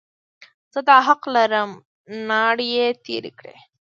زه دا حق لرم، ناړې یې تېرې کړې.